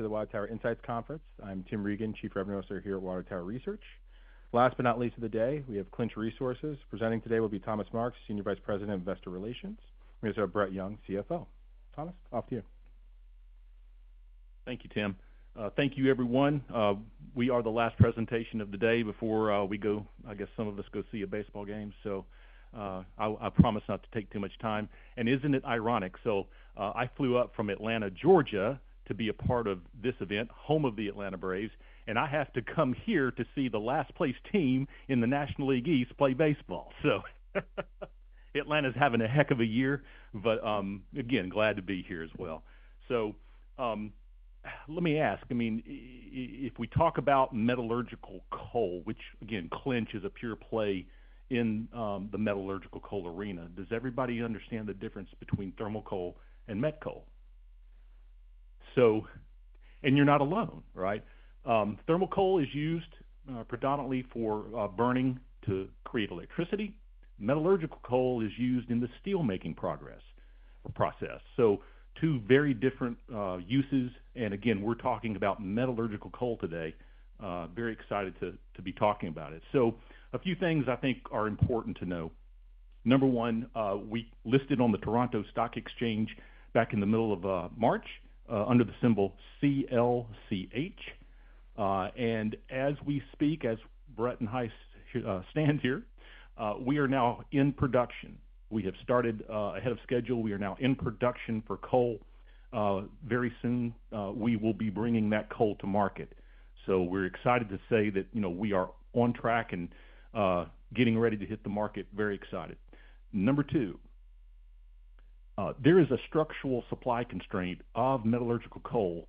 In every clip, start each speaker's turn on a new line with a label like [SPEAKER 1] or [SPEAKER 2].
[SPEAKER 1] To the WTR Insights Conference. I'm Tim Regan, Chief Revenue Officer here at Water Tower Research. Last but not least of the day, we have Clinch Resources. Presenting today will be Thomas Marks, Senior Vice President of Investor Relations. We also have Brett Young, CFO. Thomas, off to you.
[SPEAKER 2] Thank you, Tim. Thank you, everyone. We are the last presentation of the day before we go, I guess some of us go see a baseball game. I promise not to take too much time. Isn't it ironic? I flew up from Atlanta, Georgia, to be a part of this event, home of the Atlanta Braves, and I have to come here to see the last-place team in the National League East play baseball. Atlanta's having a heck of a year, but again, glad to be here as well. Let me ask, if we talk about metallurgical coal, which again, Clinch Resources is a pure play in the metallurgical coal arena, does everybody understand the difference between thermal coal and met coal? You're not alone, right? Thermal coal is used predominantly for burning to create electricity. Metallurgical coal is used in the steel-making process. Two very different uses. Again, we're talking about metallurgical coal today. Very excited to be talking about it. A few things I think are important to know. Number one, we listed on the Toronto Stock Exchange back in the middle of March under the symbol CLCH. As we speak, as Brett Young stands here, we are now in production. We have started ahead of schedule. We are now in production for coal. Very soon, we will be bringing that coal to market. We're excited to say that we are on track and getting ready to hit the market. Very excited. Number two, there is a structural supply constraint of metallurgical coal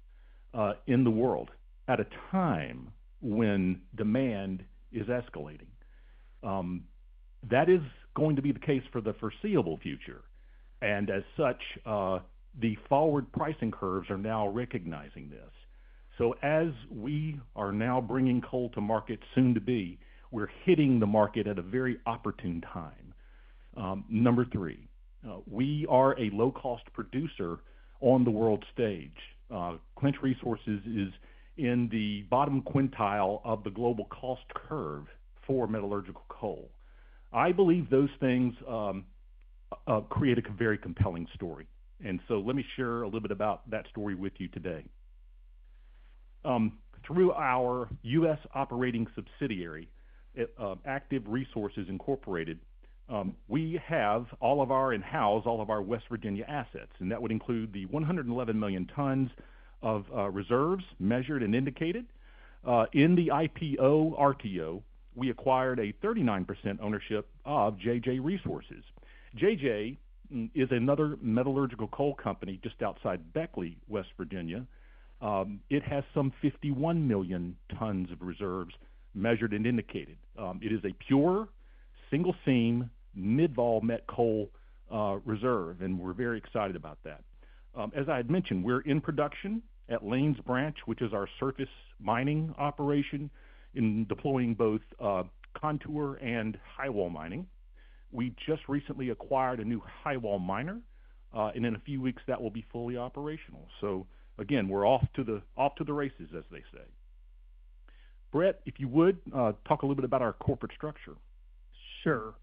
[SPEAKER 2] in the world at a time when demand is escalating. That is going to be the case for the foreseeable future. As such, the forward pricing curves are now recognizing this. As we are now bringing coal to market soon to be, we're hitting the market at a very opportune time. Number three, we are a low-cost producer on the world stage. Clinch Resources is in the bottom quintile of the global cost curve for metallurgical coal. I believe those things create a very compelling story. Let me share a little bit about that story with you today. Through our U.S. operating subsidiary, Active Resources Incorporated, we have all of our, in-house, all of our West Virginia assets, and that would include the 111 million tons of reserves measured and indicated. In the IPO RTO, we acquired a 39% ownership of JJ Resources. JJ Resources is another metallurgical coal company just outside Beckley, West Virginia. It has some 51 million tons of reserves measured and indicated. It is a pure, single-seam, mid-vol met coal reserve, and we're very excited about that. As I had mentioned, we're in production at Lanes Branch, which is our surface mining operation in deploying both contour and highwall mining. We just recently acquired a new highwall miner, and in a few weeks, that will be fully operational. Again, we're off to the races, as they say. Brett, if you would talk a little bit about our corporate structure.
[SPEAKER 3] Sure.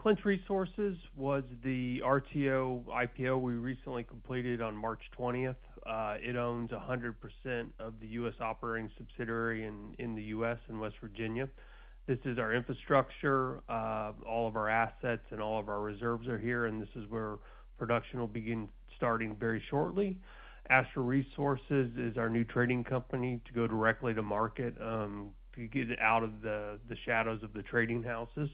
[SPEAKER 3] Clinch Resources was the RTO IPO we recently completed on March 20th. It owns 100% of the U.S. operating subsidiary in the U.S., in West Virginia. This is our infrastructure. All of our assets and all of our reserves are here, and this is where production will begin starting very shortly. Aster Resources is our new trading company to go directly to market, to get out of the shadows of the trading houses.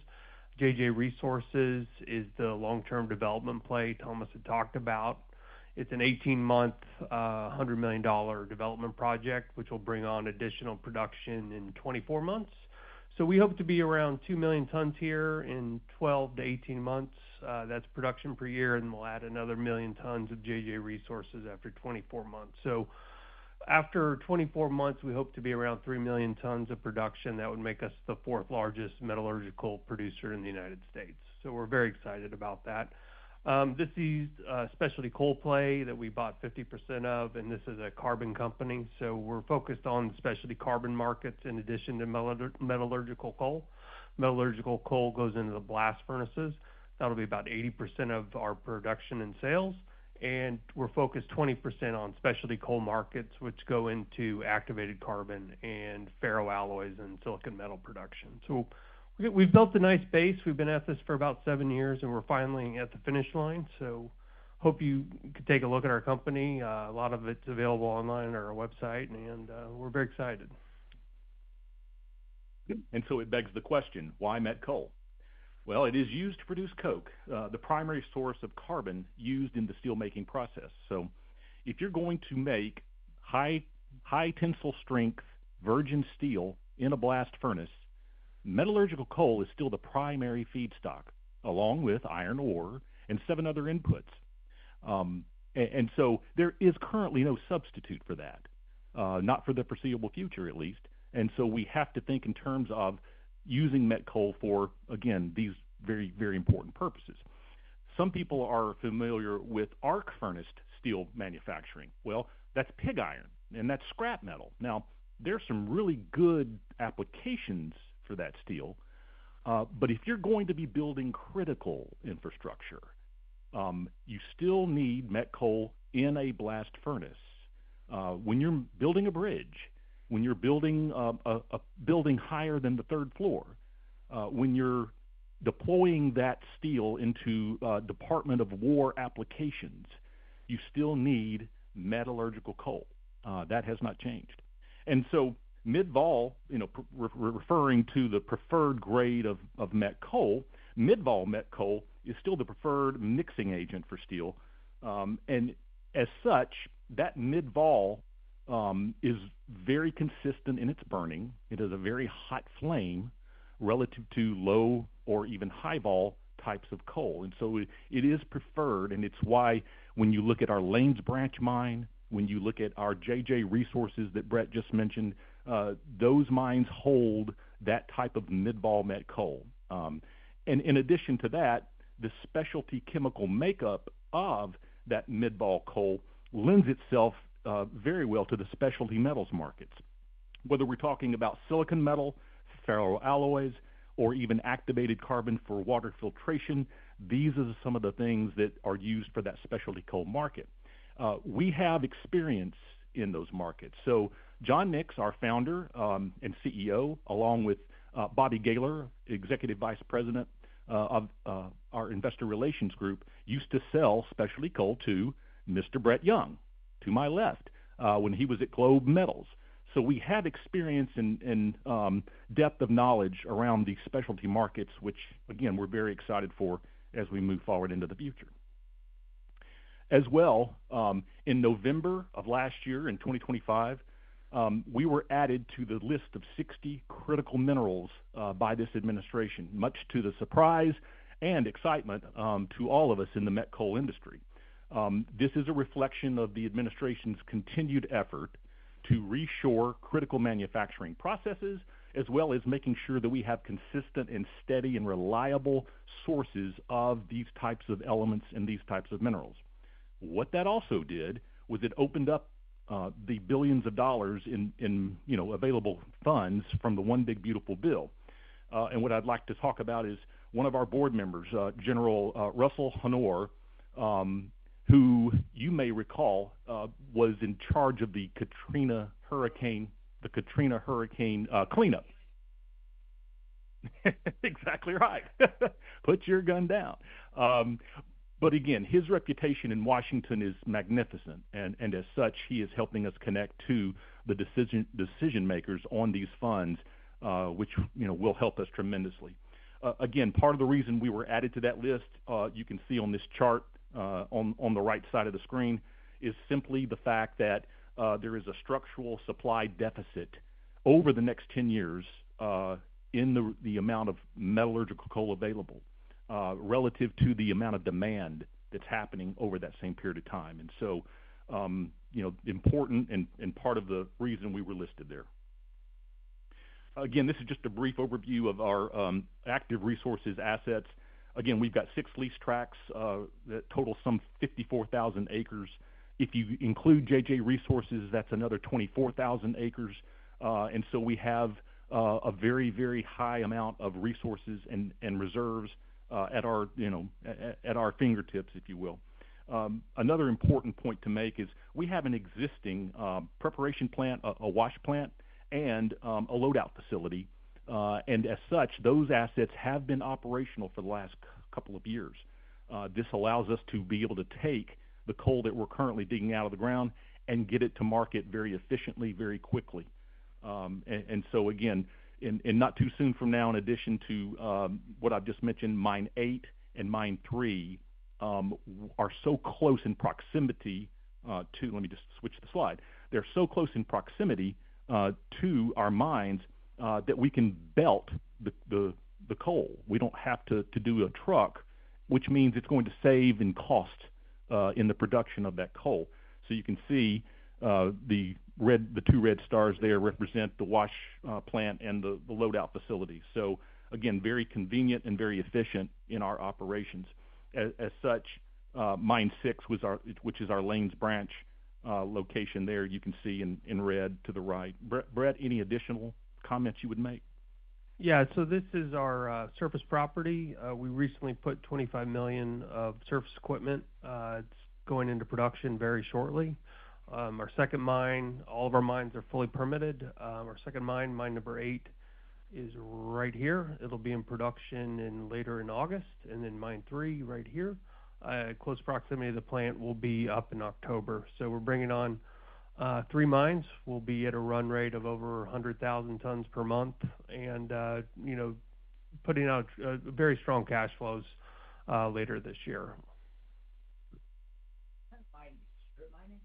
[SPEAKER 3] JJ Resources is the long-term development play Thomas had talked about. It's an 18-month, $100 million development project, which will bring on additional production in 24 months. We hope to be around 2 million tons here in 12 to 18 months. That's production per year, and we'll add another 1 million tons of JJ Resources after 24 months. After 24 months, we hope to be around 3 million tons of production. That would make us the fourth-largest metallurgical producer in the United States, we're very excited about that. This is a specialty coal play that we bought 50% of, and this is a carbon company, we're focused on specialty carbon markets in addition to metallurgical coal. Metallurgical coal goes into the blast furnaces. That'll be about 80% of our production and sales, and we're focused 20% on specialty coal markets, which go into activated carbon and ferroalloys and silicon metal production. We've built a nice base. We've been at this for about seven years, and we're finally at the finish line. Hope you could take a look at our company. A lot of it's available online on our website, and we're very excited.
[SPEAKER 2] Good. It begs the question, why met coal? It is used to produce coke, the primary source of carbon used in the steel-making process. If you're going to make high tensile strength virgin steel in a blast furnace, metallurgical coal is still the primary feedstock, along with iron ore and seven other inputs. There is currently no substitute for that, not for the foreseeable future at least. We have to think in terms of using met coal for, again, these very important purposes. Some people are familiar with arc furnace steel manufacturing. That's pig iron, and that's scrap metal. There's some really good applications for that steel. If you're going to be building critical infrastructure, you still need met coal in a blast furnace. When you're building a bridge, when you're building a building higher than the third floor, when you're deploying that steel into Department of Defense applications, you still need metallurgical coal. That has not changed. Mid-vol, we're referring to the preferred grade of met coal, mid-vol met coal is still the preferred mixing agent for steel. As such, that mid-vol is very consistent in its burning. It has a very hot flame relative to low or even high-vol types of coal. It is preferred, and it's why when you look at our Lanes Branch mine, when you look at our JJ Resources that Brett just mentioned, those mines hold that type of mid-vol met coal. In addition to that, the specialty chemical makeup of that mid-vol coal lends itself very well to the specialty metals markets. Whether we're talking about silicon metal, ferroalloys, or even activated carbon for water filtration, these are some of the things that are used for that specialty coal market. We have experience in those markets. Jon Nix, our founder and CEO, along with Bobby Gaylor, Executive Vice President of our Investor Relations group, used to sell specialty coal to Mr. Brett Young, to my left, when he was at Globe Specialty Metals. We have experience and depth of knowledge around these specialty markets, which again, we're very excited for as we move forward into the future. In November of last year, in 2025, we were added to the list of 60 critical minerals by this administration, much to the surprise and excitement to all of us in the met coal industry. This is a reflection of the administration's continued effort to reshore critical manufacturing processes, as well as making sure that we have consistent and steady and reliable sources of these types of elements and these types of minerals. What that also did was it opened up the $billions in available funds from the One Big Beautiful Bill. What I'd like to talk about is one of our board members, General Russel L. Honoré, who you may recall was in charge of the Katrina hurricane cleanup. Exactly right. Put your gun down. Again, his reputation in Washington is magnificent, as such, he is helping us connect to the decision-makers on these funds, which will help us tremendously. Again, part of the reason we were added to that list, you can see on this chart on the right side of the screen, is simply the fact that there is a structural supply deficit over the next 10 years in the amount of metallurgical coal available relative to the amount of demand that's happening over that same period of time. Important and part of the reason we were listed there. Again, this is just a brief overview of our Active Resources assets. Again, we've got 6 lease tracks that total some 54,000 acres. If you include JJ Resources, that's another 24,000 acres. We have a very high amount of resources and reserves at our fingertips, if you will. Another important point to make is we have an existing preparation plant, a wash plant, and a load-out facility. As such, those assets have been operational for the last couple of years. This allows us to be able to take the coal that we're currently digging out of the ground and get it to market very efficiently, very quickly. Again, not too soon from now, in addition to what I've just mentioned, mine 8 and mine 3 are so close in proximity to. Let me just switch the slide. They're so close in proximity to our mines that we can belt the coal. We don't have to do a truck, which means it's going to save in cost in the production of that coal. You can see the two red stars there represent the wash plant and the load-out facility. Again, very convenient and very efficient in our operations. As such, mine 6, which is our Lanes Branch location there, you can see in red to the right. Brett, any additional comments you would make?
[SPEAKER 3] This is our surface property. We recently put $25 million of surface equipment. It's going into production very shortly. Our second mine, all of our mines are fully permitted. Our second mine number 8, is right here. It'll be in production later in August. Then mine 3 right here. Close proximity to the plant will be up in October. We're bringing on three mines. We'll be at a run rate of over 100,000 tons per month and putting out very strong cash flows later this year.
[SPEAKER 4] Is that mine strip mining?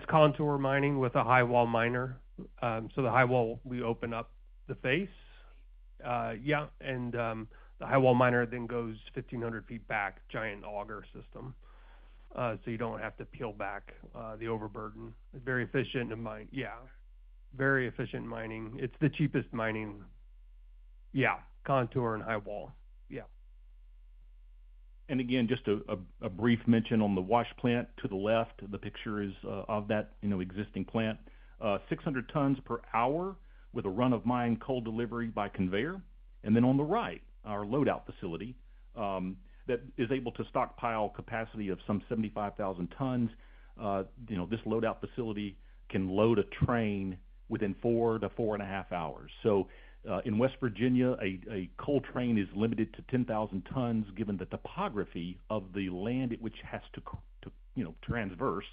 [SPEAKER 3] It's contour mining with a highwall miner. The highwall, we open up the face.
[SPEAKER 4] Okay.
[SPEAKER 3] The highwall miner then goes 1,500 feet back, giant auger system. You don't have to peel back the overburden. It's very efficient to mine. Very efficient mining. It's the cheapest mining. Contour and highwall.
[SPEAKER 2] Again, just a brief mention on the wash plant to the left, the picture is of that existing plant. 600 tons per hour with a run-of-mine coal delivery by conveyor. Then on the right, our load-out facility that is able to stockpile capacity of some 75,000 tons. This load-out facility can load a train within four to four and a half hours. In West Virginia, a coal train is limited to 10,000 tons, given the topography of the land at which it has to transverse.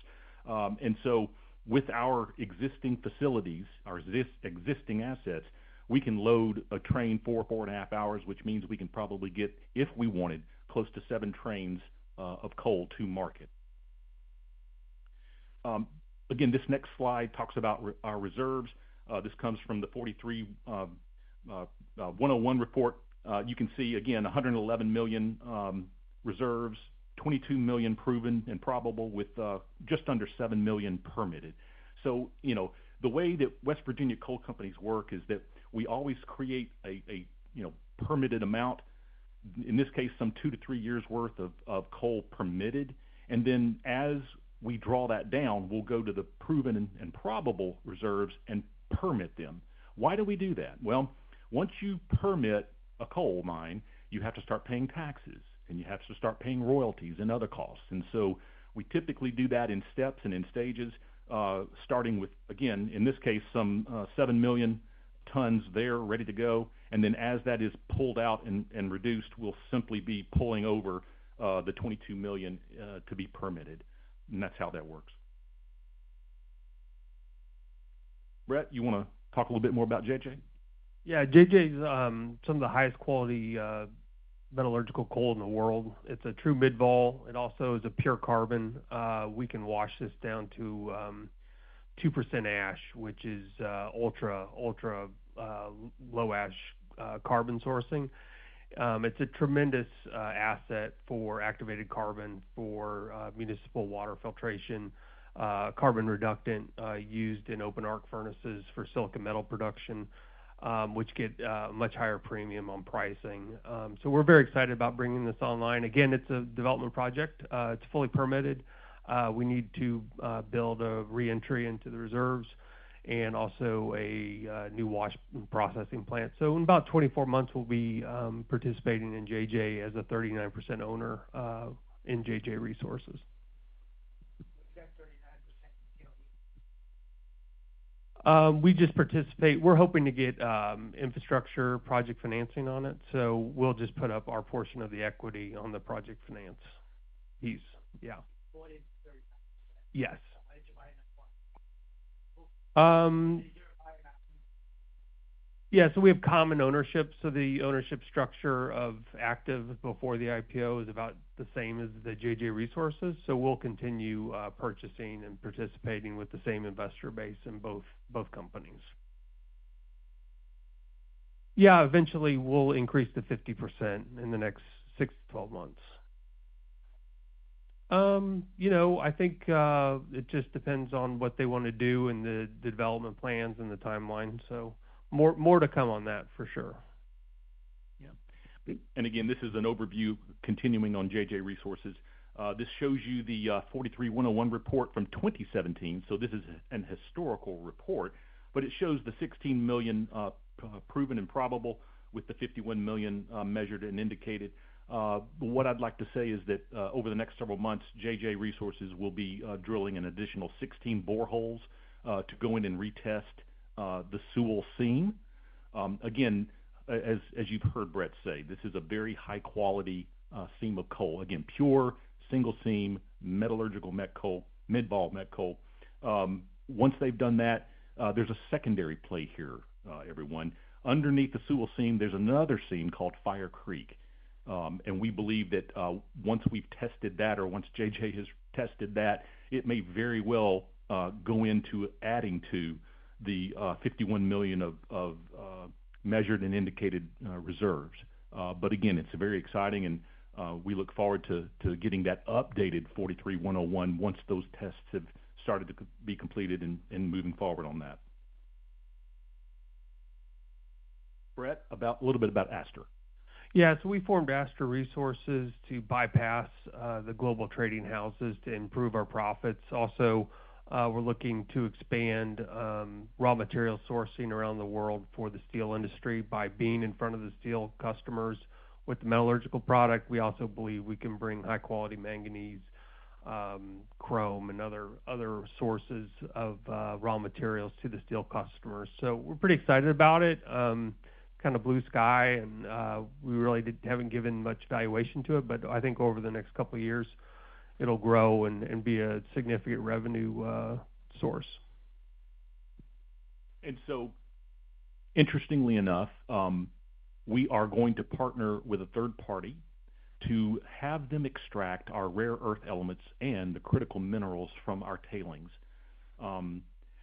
[SPEAKER 2] With our existing facilities, our existing assets, we can load a train four and a half hours, which means we can probably get, if we wanted, close to seven trains of coal to market. Again, this next slide talks about our reserves. This comes from the National Instrument 43-101 report. You can see, again, 111 million reserves, 22 million proven and probable, with just under seven million permitted. The way that West Virginia coal companies work is that we always create a permitted amount, in this case, some two to three years' worth of coal permitted. Then as we draw that down, we'll go to the proven and probable reserves and permit them. Why do we do that? Well, once you permit a coal mine, you have to start paying taxes and you have to start paying royalties and other costs. We typically do that in steps and in stages, starting with, again, in this case, some seven million tons there ready to go. Then as that is pulled out and reduced, we'll simply be pulling over the 22 million to be permitted. That's how that works. Brett, you want to talk a little bit more about JJ?
[SPEAKER 3] Yeah. JJ is some of the highest quality metallurgical coal in the world. It's a true mid-vol. It also is a pure carbon. We can wash this down to 2% ash, which is ultra-low ash carbon sourcing. It's a tremendous asset for activated carbon, for municipal water filtration, carbon reductant used in open-arc furnaces for silicon metal production, which get a much higher premium on pricing. We're very excited about bringing this online. Again, it's a development project. It's fully permitted. We need to build a re-entry into the reserves and also a new wash and processing plant. In about 24 months, we'll be participating in JJ as a 39% owner in JJ Resources.
[SPEAKER 4] What's that 39% going to be?
[SPEAKER 3] We just participate. We're hoping to get infrastructure project financing on it. We'll just put up our portion of the equity on the project finance piece. Yeah.
[SPEAKER 4] 40% to 39%?
[SPEAKER 3] Yes.
[SPEAKER 4] Why did you buy that one? Is it your buyback?
[SPEAKER 3] We have common ownership. The ownership structure of Active before the IPO is about the same as the JJ Resources. We'll continue purchasing and participating with the same investor base in both companies. Eventually, we'll increase to 50% in the next 6 to 12 months. I think it just depends on what they want to do and the development plans and the timeline. More to come on that, for sure.
[SPEAKER 2] Again, this is an overview continuing on JJ Resources. This shows you the 43-101 report from 2017. This is an historical report, but it shows the 16 million proven and probable with the 51 million measured and indicated. What I'd like to say is that over the next several months, JJ Resources will be drilling an additional 16 boreholes to go in and retest the Sewell seam. Again, as you've heard Brett say, this is a very high-quality seam of coal. Again, pure, single seam, metallurgical met coal, mid-vol met coal. Once they've done that, there's a secondary play here, everyone. Underneath the Sewell seam, there's another seam called Fire Creek, and we believe that once we've tested that or once JJ has tested that, it may very well go into adding to the 51 million of measured and indicated reserves. It's very exciting and we look forward to getting that updated 43-101 once those tests have started to be completed and moving forward on that. Brett, a little bit about Aster.
[SPEAKER 3] Yeah. We formed Aster Resources to bypass the global trading houses to improve our profits. Also, we're looking to expand raw material sourcing around the world for the steel industry by being in front of the steel customers with the metallurgical product. We also believe we can bring high-quality manganese, chromium, and other sources of raw materials to the steel customers. We're pretty excited about it. Kind of blue sky, and we really haven't given much valuation to it, but I think over the next couple of years, it'll grow and be a significant revenue source.
[SPEAKER 2] Interestingly enough, we are going to partner with a third party to have them extract our rare earth elements and the critical minerals from our tailings.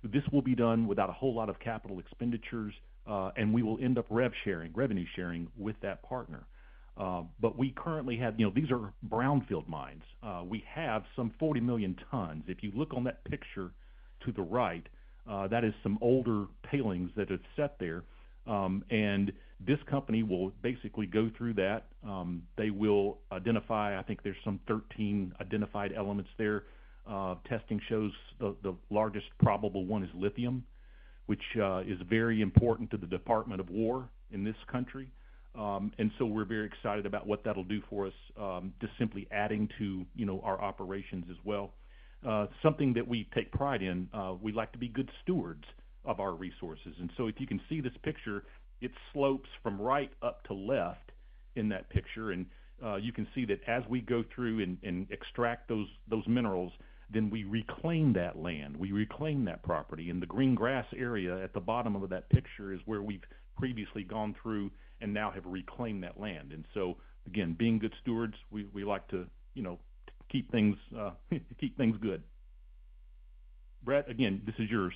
[SPEAKER 2] This will be done without a whole lot of capital expenditures, and we will end up revenue-sharing with that partner. We currently have-- these are brownfield mines. We have some 40 million tons. If you look on that picture to the right, that is some older tailings that have set there. This company will basically go through that. They will identify, I think there's some 13 identified elements there. Testing shows the largest probable one is lithium, which is very important to the Department of Defense in this country. We're very excited about what that'll do for us, just simply adding to our operations as well. Something that we take pride in, we like to be good stewards of our resources. If you can see this picture, it slopes from right up to left in that picture. You can see that as we go through and extract those minerals, then we reclaim that land. We reclaim that property. The green grass area at the bottom of that picture is where we've previously gone through and now have reclaimed that land. Again, being good stewards, we like to keep things good. Brett, again, this is yours.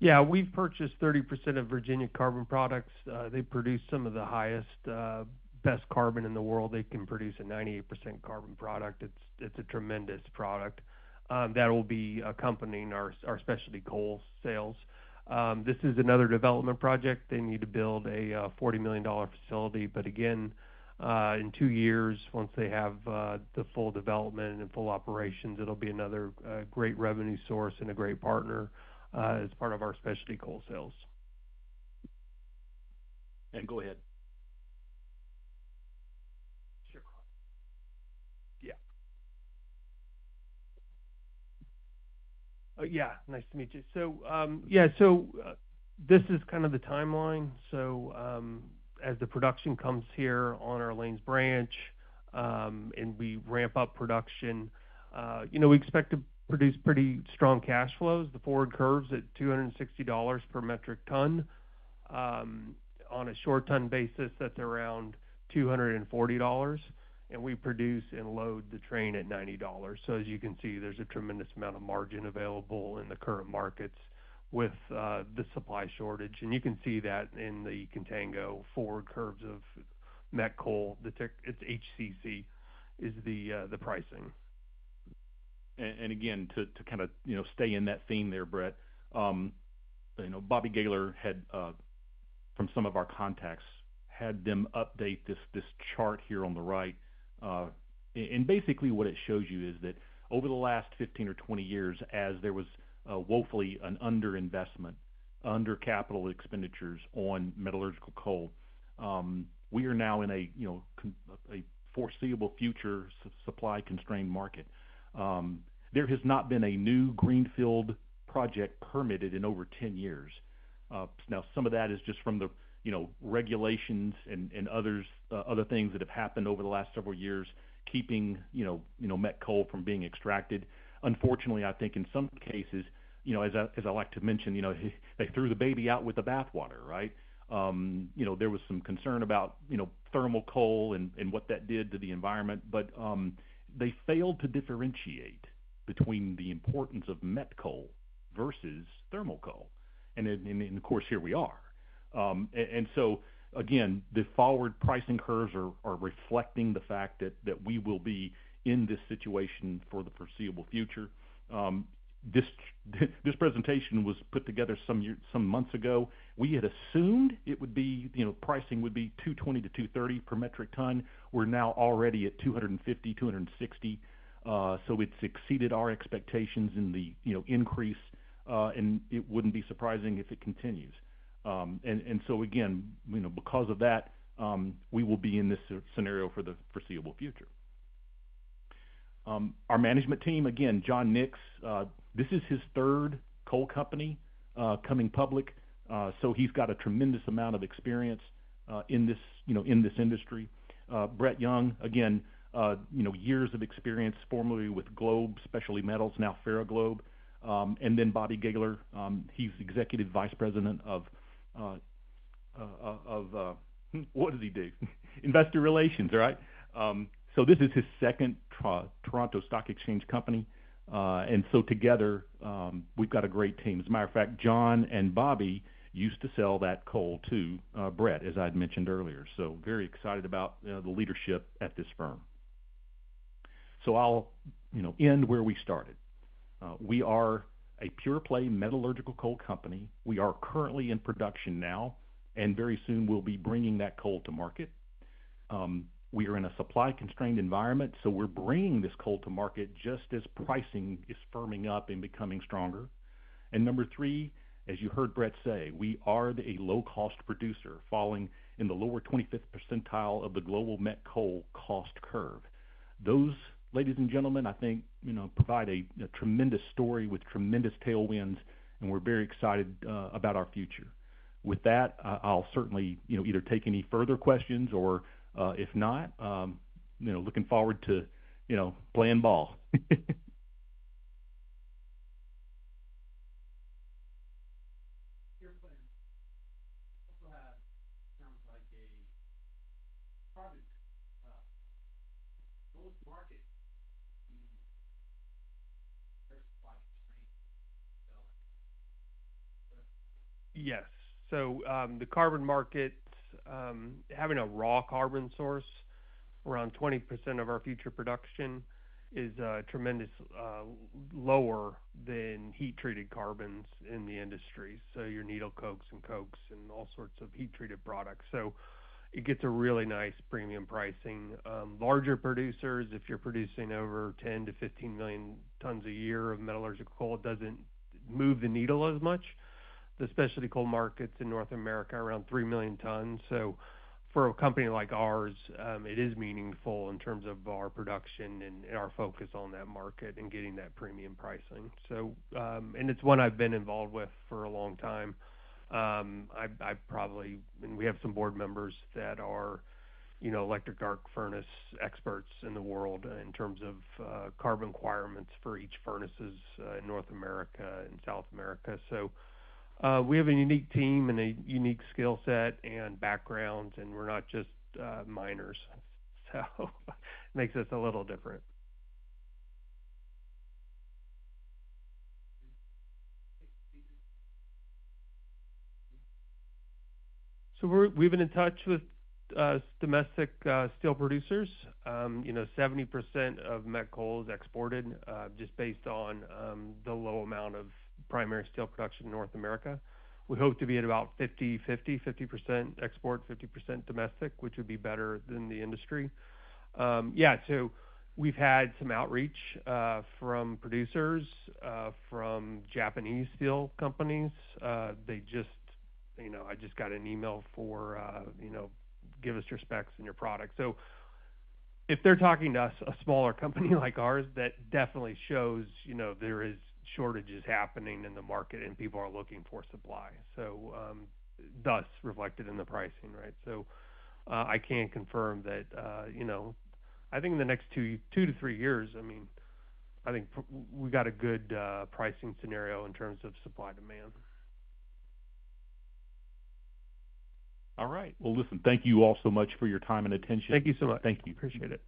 [SPEAKER 3] Yeah. We've purchased 30% of Virginia Carbon Products. They produce some of the highest, best carbon in the world. They can produce a 98% carbon product. It's a tremendous product. That will be accompanying our specialty coal sales. This is another development project. They need to build a $40 million facility. Again, in two years, once they have the full development and full operations, it'll be another great revenue source and a great partner as part of our specialty coal sales.
[SPEAKER 2] Go ahead. Share cross. Yeah.
[SPEAKER 3] Yeah, nice to meet you. This is kind of the timeline. As the production comes here on our Lanes Branch, we ramp up production, we expect to produce pretty strong cash flows. The forward curve's at $260 per metric ton. On a short ton basis, that's around $240. We produce and load the train at $90. As you can see, there's a tremendous amount of margin available in the current markets with the supply shortage. You can see that in the Contango forward curves of met coal. It's HCC is the pricing.
[SPEAKER 2] Again, to kind of stay in that theme there, Brett. Bobby Gaylor, from some of our contacts, had them update this chart here on the right. Basically what it shows you is that over the last 15 or 20 years, as there was woefully an under-investment, under capital expenditures on metallurgical coal, we are now in a foreseeable future supply-constrained market. There has not been a new greenfield project permitted in over 10 years. Some of that is just from the regulations and other things that have happened over the last several years, keeping met coal from being extracted. Unfortunately, I think in some cases, as I like to mention, they threw the baby out with the bathwater, right? There was some concern about thermal coal and what that did to the environment. They failed to differentiate between the importance of met coal versus thermal coal. Of course, here we are. Again, the forward pricing curves are reflecting the fact that we will be in this situation for the foreseeable future. This presentation was put together some months ago. We had assumed pricing would be 220 to 230 per metric ton. We are now already at 250, 260. It's exceeded our expectations in the increase. It wouldn't be surprising if it continues. Again, because of that, we will be in this scenario for the foreseeable future. Our management team, again, Jon Nix, this is his third coal company coming public. He's got a tremendous amount of experience in this industry. Brett Young, again, years of experience formerly with Globe Specialty Metals, now Ferroglobe. Bobby Gaylor, he's Executive Vice President of Investor Relations, right? This is his second Toronto Stock Exchange company. Together, we've got a great team. As a matter of fact, Jon and Bobby Gaylor used to sell that coal to Brett, as I'd mentioned earlier. Very excited about the leadership at this firm. I'll end where we started. We are a pure-play metallurgical coal company. We are currently in production now, and very soon we'll be bringing that coal to market. We are in a supply-constrained environment, so we're bringing this coal to market just as pricing is firming up and becoming stronger. Number 3, as you heard Brett say, we are a low-cost producer, falling in the lower 25th percentile of the global met coal cost curve. Those, ladies and gentlemen, I think provide a tremendous story with tremendous tailwinds, and we're very excited about our future. With that, I'll certainly either take any further questions or if not looking forward to playing ball.
[SPEAKER 3] You're playing.
[SPEAKER 4] Those markets.
[SPEAKER 3] Yes. The carbon market, having a raw carbon source around 20% of our future production is tremendously lower than heat-treated carbons in the industry. Your needle coke and cokes and all sorts of heat-treated products. It gets a really nice premium pricing. Larger producers, if you're producing over 10 million-15 million tons a year of metallurgical coal, it doesn't move the needle as much. The specialty coal markets in North America are around three million tons. For a company like ours, it is meaningful in terms of our production and our focus on that market and getting that premium pricing. It's one I've been involved with for a long time. We have some board members that are electric arc furnace experts in the world in terms of carbon requirements for electric arc furnaces in North America and South America. We have a unique team and a unique skill set and background, and we're not just miners. Makes us a little different.. We've been in touch with domestic steel producers. 70% of met coal is exported, just based on the low amount of primary steel production in North America. We hope to be at about 50/50% export, 50% domestic, which would be better than the industry. Yeah. We've had some outreach from producers, from Japanese steel companies. I just got an email for, give us your specs and your product. If they're talking to us, a smaller company like ours, that definitely shows there is shortages happening in the market and people are looking for supply. Thus, reflected in the pricing, right? I can confirm that. I think in the next two to three years, I think we've got a good pricing scenario in terms of supply and demand.
[SPEAKER 2] All right. Well, listen, thank you all so much for your time and attention.
[SPEAKER 3] Thank you so much.
[SPEAKER 2] Thank you.
[SPEAKER 3] Appreciate it.